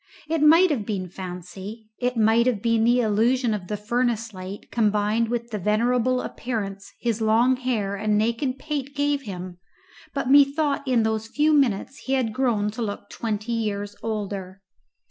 It might have been fancy, it might have been the illusion of the furnace light combined with the venerable appearance his long hair and naked pate gave him, but methought in those few minutes he had grown to look twenty years older.